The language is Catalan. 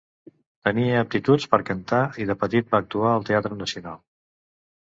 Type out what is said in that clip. Tenia aptituds per cantar i de petit va actuar al Teatre Nacional.